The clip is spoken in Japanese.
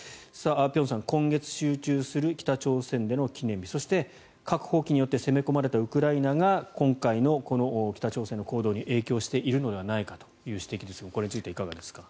辺さん、今月、集中する北朝鮮での記念日そして核放棄によって攻め込まれたウクライナが今回のこの北朝鮮の行動に影響しているのではないかという指摘ですがこれについてはいかがですか？